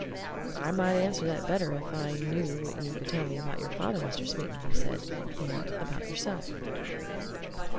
"I might answer that better if I knew what you could tell me about your father, Mr. Smeaton," he said. "And about yourself."